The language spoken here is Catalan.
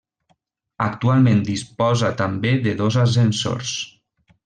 Actualment disposa també de dos ascensors.